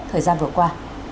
thời gian vừa qua